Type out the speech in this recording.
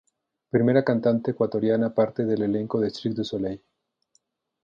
Primera cantante ecuatoriana parte del elenco de Cirque du Soleil.